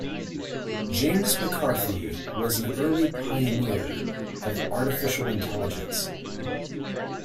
James McCarthy was an early pioneer of artificial intelligence.